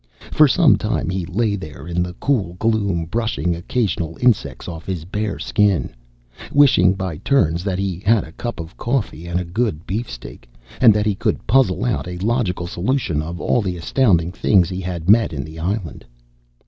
For some time he lay there in the cool gloom, brushing occasional insects off his bare skin, wishing by turns that he had a cup of coffee and a good beefsteak, and that he could puzzle out a logical solution of all the astounding things he had met in the island.